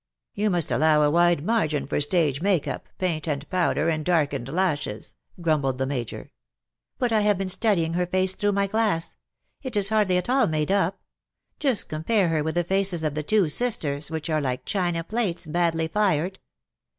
'^" You must allow a wide margin for stage make up, paint and powder, and darkened lashes,^^ grumbled the Major. " But I have been studying her face through my glass. It is hardly at all made up. Just compare it with the faces of the two sisters, which are like china plates, badly fired.